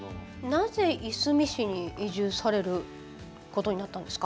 なぜいすみ市に移住されることになったんですか？